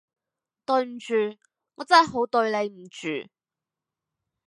對唔住，我真係好對你唔住